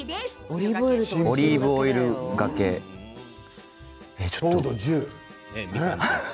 オリーブオイルがけです。